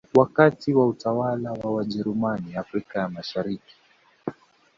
Wakati wa utawala wa Wajerumani Afrika ya Mashariki